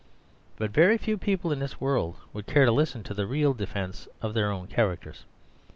But very few people in this world would care to listen to the real defence of their own characters.